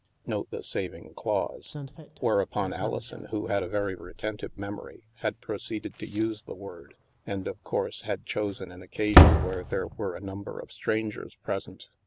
(Note the saving clause. ) Whereupon Alison, who had a very retentive memory, had proceeded to use the word and, of course, had chosen an occasion where there were a number of strangers present.